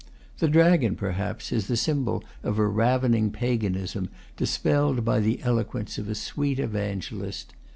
The dragon, perhaps, is the symbol of a ravening paganism, dis pelled by the eloquence of a sweet evangelist.